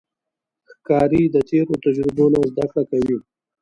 ښکاري د تیرو تجربو نه زده کړه کوي.